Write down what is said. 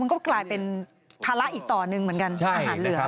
ก็กลายเป็นภาระอีกต่อหนึ่งเหมือนกันอาหารเหลือง